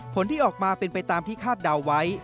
ผลที่ออกมาเป็นไปตามที่คาดเดาไว้